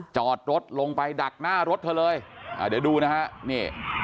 จอดรถลงไปดักหน้ารถเธอเลยอ่าเดี๋ยวดูนะฮะนี่